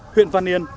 huyện văn yên